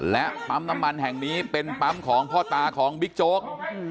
และปั๊มน้ำมันแห่งนี้เป็นปั๊มของพ่อตาของบิ๊กโจ๊ก